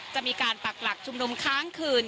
จะมีการปรักหลักชุมนุมค้างคืน